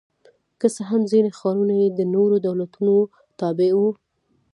که څه هم ځیني ښارونه یې د نورو دولتونو تابع وو